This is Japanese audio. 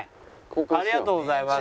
ありがとうございます。